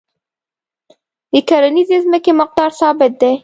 د کرنیزې ځمکې مقدار ثابت دی.